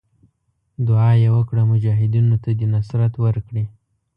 دعا یې وکړه مجاهدینو ته دې نصرت ورکړي.